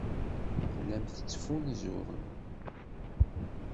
Tellam tettfunzurem.